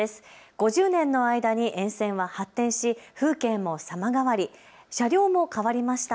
５０年の間に沿線は発展し風景も様変わり、車両も変わりました。